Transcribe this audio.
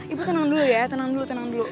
ibu tenang dulu ya tenang dulu